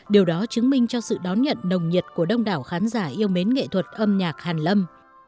điều đó chứng minh cho sự đón nhận nồng nhiệt của đông đảo khán giả yêu mến nghệ thuật âm nhạc hàn lâm